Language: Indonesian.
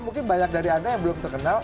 mungkin banyak dari anda yang belum terkenal